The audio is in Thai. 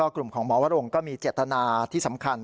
กลุ่มของหมอวรงก็มีเจตนาที่สำคัญ